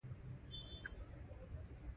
• ځینې خلک د شپې خیالونه قوي لري.